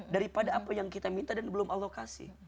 daripada apa yang kita minta dan belum allah kasih